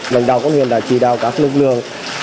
lãnh đạo công huyện đã chỉ đào các lực lượng